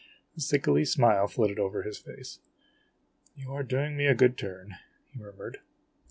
A sickly smile flitted over his face. "You are doing me a good turn," he murmured.